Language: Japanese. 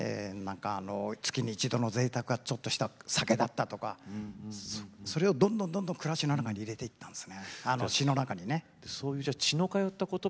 月に一度のぜいたくはちょっとした酒だったとかそれをどんどん暮らしの中に入れていったんです。